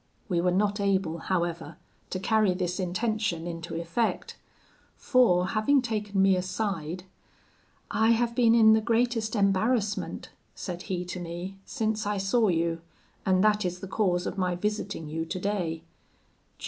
"We were not able, however, to carry this intention into effect; for, having taken me aside, 'I have been in the greatest embarrassment,' said he to me, 'since I saw you, and that is the cause of my visiting you today.